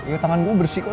ya tangan gue bersih kok